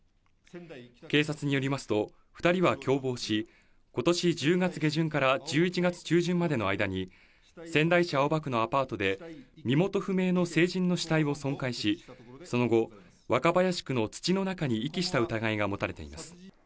警察によりますと２人は共謀し、今年１０月下旬から１１月中旬までの間に仙台市青葉区のアパートで身元不明の成人の死体を損壊し、その後、若林区の土の中に遺棄した疑いが持たれています。